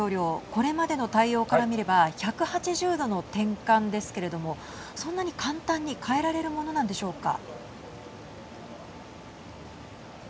これまでの対応から見れば１８０度の転換ですけれどもそんなに簡単に変えられるものなんでしょうか。